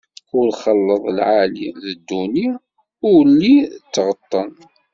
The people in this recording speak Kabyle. Ur xelleḍ lɛali d dduni, ulli d tɣeṭṭen!